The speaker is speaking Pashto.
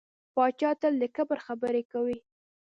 پاچا تل د کبر خبرې کوي .